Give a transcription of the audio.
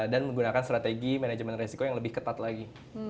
dan menggunakan strategi manajemen resiko yang lebih ketat lagi